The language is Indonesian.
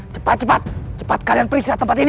cepat cepat cepat kalian periksa tempat ini